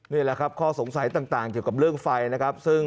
นี่แหละครับข้อสงสัยต่างเกี่ยวกับเรื่องไฟนะครับ